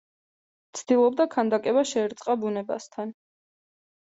ცდილობდა ქანდაკება შეერწყა ბუნებასთან.